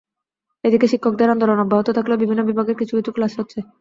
এদিকে শিক্ষকদের আন্দোলন অব্যাহত থাকলেও বিভিন্ন বিভাগের কিছু কিছু ক্লাস হচ্ছে।